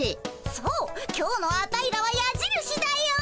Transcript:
そう今日のアタイらはやじるしだよ。